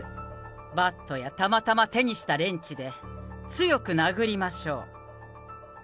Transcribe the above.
バットやたまたま手にしたレンチで、強く殴りましょう。